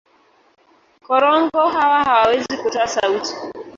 Korongo hawa hawawezi kutoa sauti.